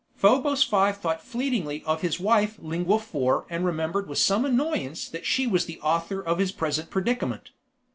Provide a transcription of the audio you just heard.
Probos Five thought fleetingly of his wife Lingua Four and remembered with some annoyance that she was the author of his present predicament.